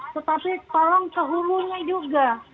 tetapi tolong kehulunya juga